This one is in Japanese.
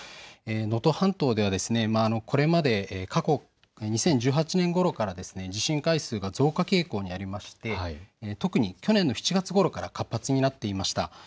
能登半島ではこれまで２０１８年ごろから地震回数が増加傾向にありまして特に去年の７月ごろから活発になっていました。